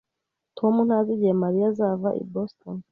Tom ntazi igihe Mariya azava i Boston